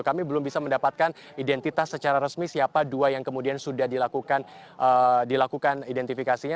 kami belum bisa mendapatkan identitas secara resmi siapa dua yang kemudian sudah dilakukan identifikasinya